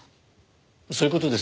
そういう事です。